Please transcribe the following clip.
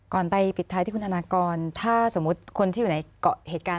ไปปิดท้ายที่คุณธนากรถ้าสมมุติคนที่อยู่ในเกาะเหตุการณ์